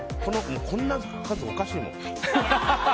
こんな数おかしいもん。